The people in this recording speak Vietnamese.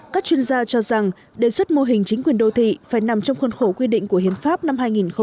các chuyên gia cho rằng đề xuất mô hình chính quyền đô thị phải nằm trong khuôn khổ quy định của hiến pháp năm hai nghìn một mươi ba